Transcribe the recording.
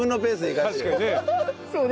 確かにね。